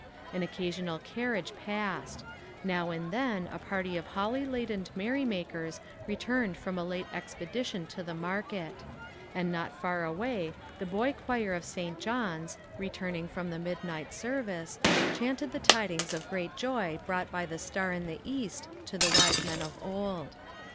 An occa sional carriage passed; now and then a party of holly ladened merrymakers returned from a late expedition to the market; and not far away the boy choir of St. John's, returning from the midnight service, chanted the tidings of great joy brought by the Star in the East to the wise men of old.